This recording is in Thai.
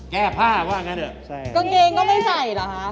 แก้ผ้าก็อ่ะนะเดี๋ยว